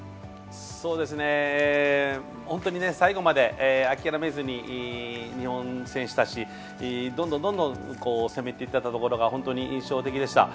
本当に、最後まで諦めずに日本選手たちどんどん攻めていったところが本当に印象的でした。